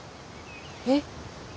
えっ？